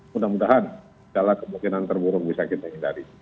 mudah mudahan segala kemungkinan terburuk bisa kita hindari